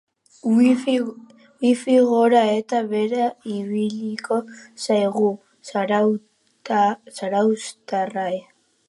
Wifia gora eta behera ibiliko zaigu zarauztarra.